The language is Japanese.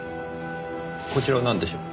こちらはなんでしょう？